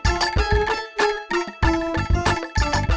berikanlah tepuk tangan anda ke koneksi anda